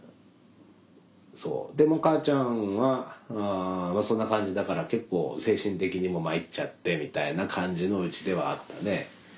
でもう母ちゃんはそんな感じだから結構精神的にも参っちゃってみたいな感じのうちではあったね。